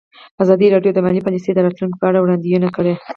ازادي راډیو د مالي پالیسي د راتلونکې په اړه وړاندوینې کړې.